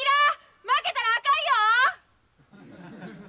負けたらあかんよ！